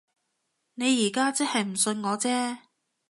你而家即係唔信我啫